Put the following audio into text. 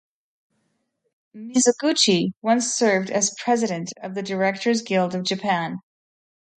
Mizoguchi once served as president of the Directors Guild of Japan.